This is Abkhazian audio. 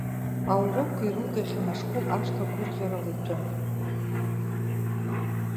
Аурокқәа ирылгахьан, ашкол ашҭа гәырӷьарала иҭәын.